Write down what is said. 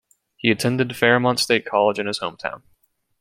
He attended Fairmont State College in his hometown.